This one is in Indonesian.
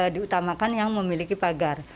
diutamakan yang memiliki pagar